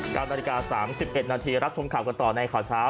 ๙นาฬิกา๓๑นาทีรับชมข่าวกันต่อในข่าวเช้า